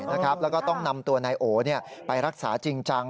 แล้วก็ต้องนำตัวนายโอไปรักษาจริงจัง